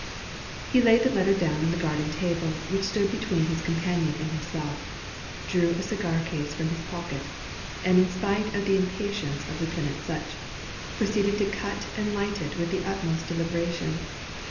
He laid the letter down on the garden table which stood between his companion and himself, drew a cigar case from his pocket, and in spite of the impatience of Lieutenant Sutch, proceeded to cut and light it with the utmost deliberation.